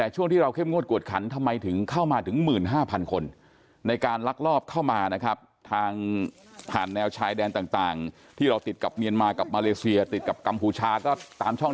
ช่วงที่เราเข้มงวดกวดคันทำไมถึงเข้ามาถึง๑๕๐๐๐คนในการรักลอบเข้ามานะครับทาง